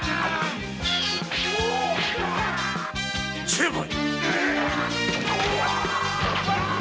成敗！